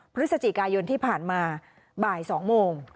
พฤศจิกายนที่ผ่านมาบ่าย๒โมง